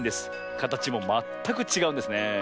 かたちもまったくちがうんですね。